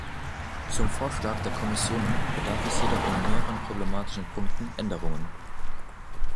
Zum Vorschlag der Kommission bedarf es jedoch in mehreren problematischen Punkten Änderungen.